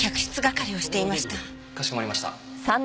かしこまりました。